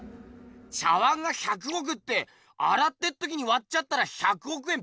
⁉茶碗が１００億ってあらってっときにわっちゃったら１００億円パーだかんな！